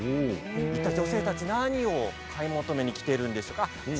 いったい女性たち何を買い求めに来ているんでしょうか？